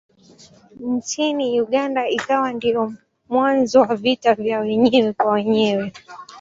Nchini Uganda ikawa ndiyo mwanzo wa vita vya wenyewe kwa wenyewe.